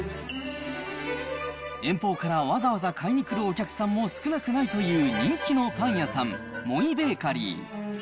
遠方からわざわざ買いにくるお客さんも少なくないという人気のパン屋さん、モイベーカリー。